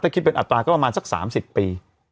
ถ้าคิดเป็นอัตราก็ประมาณสัก๓๐ปี